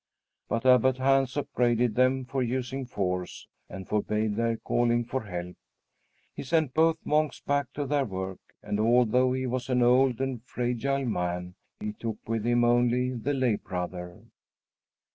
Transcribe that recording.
But Abbot Hans upbraided them for using force and forbade their calling for help. He sent both monks back to their work, and although he was an old and fragile man, he took with him only the lay brother.